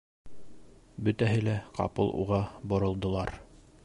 — Бөтәһе лә ҡапыл уға боролдолар.